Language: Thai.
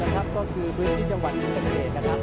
ก็คือพื้นที่จังหวัดอินเตอร์เกด